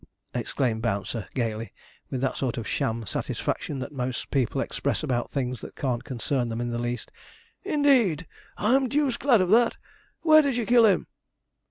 exclaimed Bouncer, gaily, with that sort of sham satisfaction that most people express about things that can't concern them in the least. 'Indeed! I'm deuced glad of that! Where did you kill him?'